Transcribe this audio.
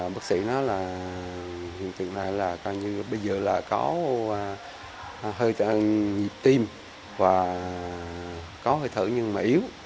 bác sĩ nói là hiện tượng này là coi như bây giờ là có hơi nhịp tim và có hơi thở nhưng mà yếu